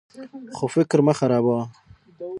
خو فکر مه خرابوه.